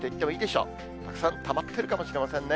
たくさんたまっているかもしれませんね。